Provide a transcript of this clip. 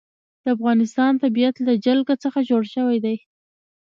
د افغانستان طبیعت له جلګه څخه جوړ شوی دی.